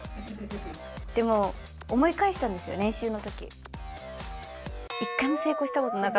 でも、思い返したんですよ、練習のとき。